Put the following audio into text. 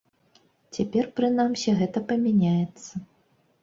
Цяпер прынамсі гэта памяняецца.